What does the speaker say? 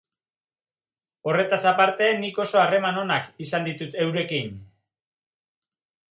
Horretaz aparte, nik oso harreman onak izan ditut eurekin.